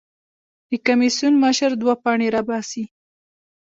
د کمېسیون مشر دوه پاڼې راباسي.